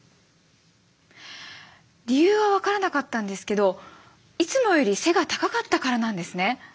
理由は分からなかったんですけどいつもより背が高かったからなんですね。